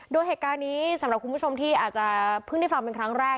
โดยเหตุการณ์นี้สำหรับคุณผู้ชมที่อาจจะเพิ่งได้ฟังเป็นครั้งแรก